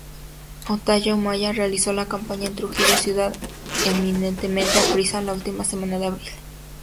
Ollanta Humala realizó campaña en Trujillo, ciudad eminentemente aprista, la última semana de abril.